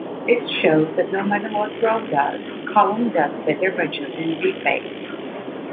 This shows that no matter what row does, column does better by choosing "Defect".